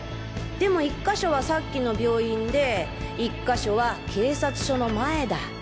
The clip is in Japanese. でも１か所はさっきの病院で１か所は警察署の前だ。